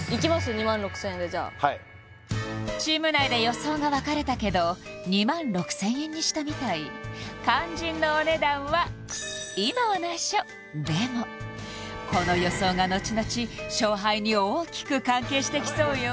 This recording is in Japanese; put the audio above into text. ２万６０００円でじゃあはいチーム内で予想が分かれたけど２万６０００円にしたみたい肝心のお値段は今は内緒でもこの予想がのちのち勝敗に大きく関係してきそうよ